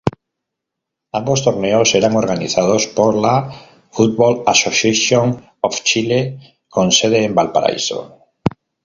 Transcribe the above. Ambos torneos eran organizados por la Football Association of Chile, con sede en Valparaíso.